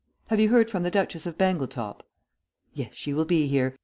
Have you heard from the Duchess of Bangletop?" "Yes, she will be here.